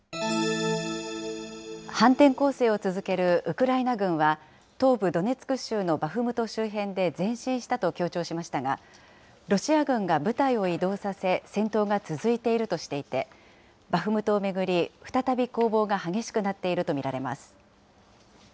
反転攻勢を続けるウクライナ軍は、東部ドネツク州のバフムト周辺で前進したと強調しましたが、ロシア軍が部隊を移動させ、戦闘が続いているとしていて、バフムトを巡り、再び攻防が激しくなっていると見られます。